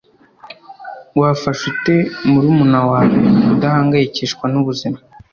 Wafasha ute murumuna wawe kudahangayikishwa n ubuzima